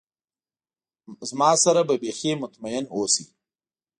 ما سره به بیخي مطمئن اوسی.